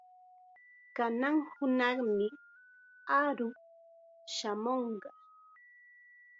Kanan hunaqmi aruq shamunqa.